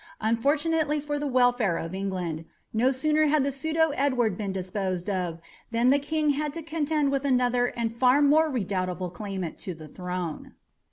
Unfortunately for the welfare of England, no sooner had the pseudo Edward been disposed of, than the King had to contend with another and a far more redoubtable claimant to the throne.